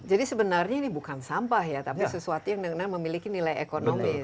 jadi sebenarnya ini bukan sampah ya tapi sesuatu yang dengan memiliki nilai ekonomis ya